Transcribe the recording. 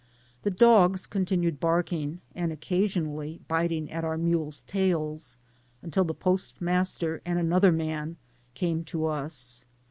The dogs continued barking, and occasionally biting at our mules' tails, until the postmaster and another man came to us.